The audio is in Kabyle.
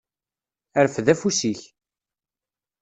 Rfed afus-ik.